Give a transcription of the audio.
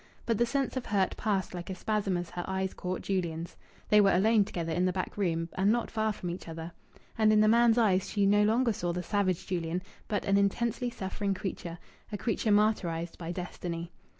But the sense of hurt passed like a spasm as her eyes caught Julian's. They were alone together in the back room and not far from each other. And in the man's eyes she no longer saw the savage Julian, but an intensely suffering creature, a creature martyrized by destiny.